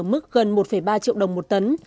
ở mức gần một ba triệu đồng một tấn